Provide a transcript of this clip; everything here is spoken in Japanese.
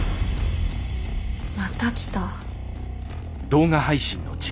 また来た。